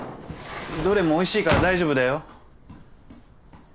どれもおいしいから大丈夫だよ。